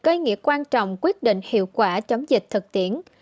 có ý nghĩa quan trọng quyết định hiệu quả chống dịch thực tiễn